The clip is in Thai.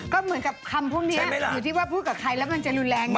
ก็เหมือนกับคำพวกนี้อยู่ที่ว่าพูดกับใครแล้วมันจะรุนแรง